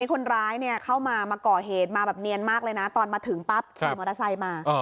คนร้ายเข้ามามาก่อเหตุมาแบบเนียนมากเลยนะตอนมาถึงปั๊บขี่มอเตอร์ไซค์มา